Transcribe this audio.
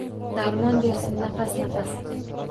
Darmon bersin, nafas-nafas.